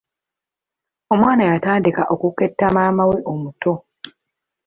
Omwana yatandika okuketta maama we omuto.